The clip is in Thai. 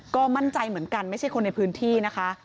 ก็มั่นใจเหมือนกันไม่ใช่คนในพื้นที่นะคะ